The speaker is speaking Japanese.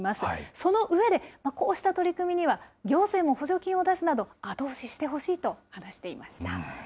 その上で、こうした取り組みには行政も補助金を出すなど、後押ししてほしいと話していました。